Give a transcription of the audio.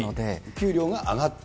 給料が上がった？